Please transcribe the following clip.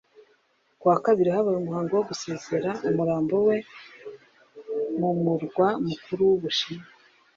Ku wa kabiri habaye umuhango wo gusezera umurambo we mu murwa mukuru w'Ubushinwa